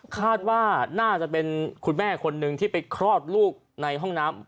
คาดว่าน่าจะเป็นคุณแม่คนหนึ่งที่ไปคลอดลูกในห้องน้ำ